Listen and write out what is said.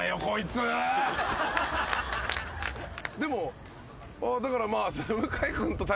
ああだからまあ。